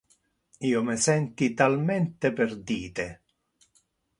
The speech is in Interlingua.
Io me senti talmente perdite